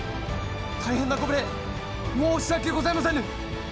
大変なご無礼申し訳ございませぬ！